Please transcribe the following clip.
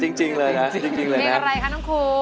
เม้งอะไรคะน้องครู